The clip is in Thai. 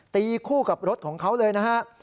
ตีคู่กับรถของเขาเลยนะฮะ